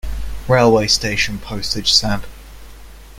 Railway station Postage stamp.